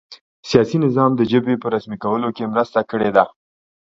سیاسي نظام د ژبې په رسمي کولو کې مرسته کړې ده.